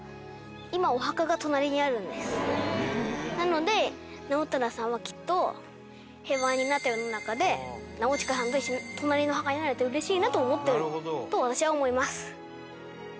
なので直虎さんはきっと平和になった世の中で直親さんと一緒に隣のお墓に入れて嬉しいなと思っていると私は思います。